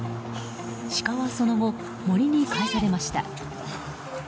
シカはその後、森に帰されました。